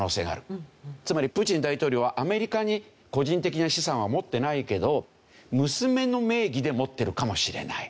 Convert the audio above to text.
つまりプーチン大統領はアメリカに個人的な資産は持ってないけど娘の名義で持ってるかもしれない。